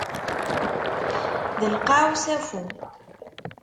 D lqaɛ usafu.